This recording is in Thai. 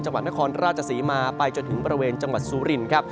จังหวัดนครราชศรีมาไปจนถึงบริเวณจังหวัดสุรินครับ